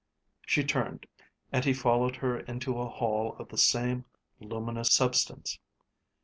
She turned, and he followed her into a hall of the same luminous substance.